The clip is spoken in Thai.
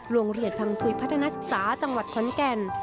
โรงเรียนพังคุยพัฒนาศึกษาจังหวัดขอนแก่น